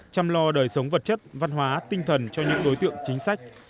chăm lo đời sống vật chất văn hóa tinh thần cho những đối tượng chính sách